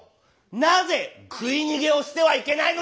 なぜ食い逃げをしてはいけないのですか？」。